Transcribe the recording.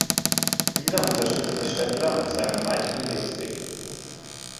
Dieser unterstützte Stettler auf seinem weiteren Lebensweg.